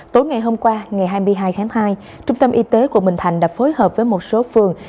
tối ngày hôm qua ngày hai mươi hai tháng hai trung tâm y tế quận bình thạnh đã phối hợp với một số phường